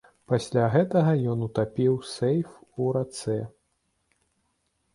Пасля гэтага ён утапіў сейф ў рацэ.